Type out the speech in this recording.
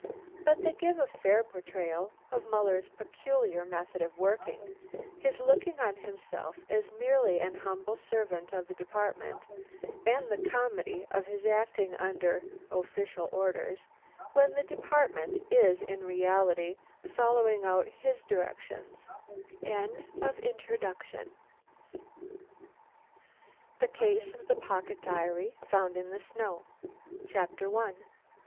But they give a fair portrayal of Muller's peculiar method of working, his looking on himself as merely an humble member of the Department, and the comedy of his acting under "official orders" when the Department is in reality following out his directions. THE CASE OF THE POCKET DIARY FOUND IN THE SNOW CHAPTER ONE.